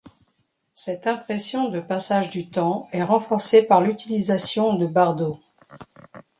Cette impression de passage du temps est renforcée par l'utilisation de bardeaux.